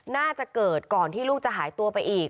น่าจะเกิดก่อนที่ลูกจะหายตัวไปอีก